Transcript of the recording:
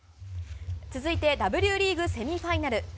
続いてＷリーグセミファイナル。